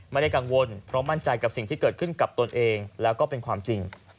ไม่ได้กังวลเพราะมั่นใจกับสิ่งที่เกิดขึ้นกับตนเองแล้วก็เป็นความจริง